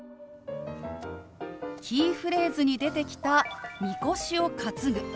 キーフレーズに出てきた「みこしを担ぐ」。